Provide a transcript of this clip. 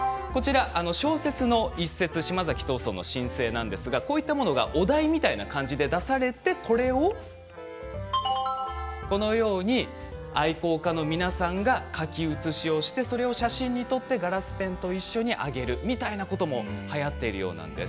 小説の一説、島崎藤村の「新生」なんですがお題みたいに出されてこれを、このように愛好家の皆さんが書き写しをしてそれを写真に撮ってガラスペンと一緒に上げるみたいなこともはやっているようなんです。